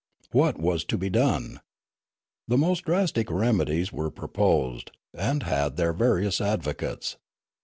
What was to be done ? The most drastic remedies were pro posed, and had their various advocates.